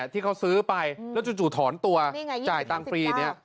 ที่เขาซื้อไปแล้วจู่ถอนตัวจ่ายตังค์ฟรี